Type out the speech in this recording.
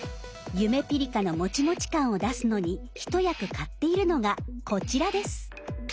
ゆめぴりかのモチモチ感を出すのに一役買っているのがこちらです。